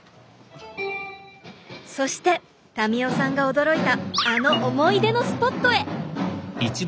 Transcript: そして民生さんが驚いたあの思い出のスポットへ！